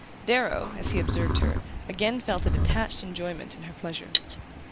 Darrow, as he observed her, again felt a detached enjoyment in her pleasure.